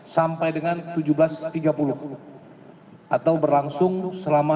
sepuluh delapan sampai dengan tujuh belas tiga puluh atau berlangsung selama tujuh dua puluh dua